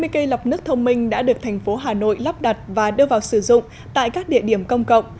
hai mươi cây lọc nước thông minh đã được thành phố hà nội lắp đặt và đưa vào sử dụng tại các địa điểm công cộng